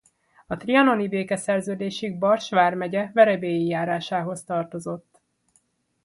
A trianoni békeszerződésig Bars vármegye Verebélyi járásához tartozott.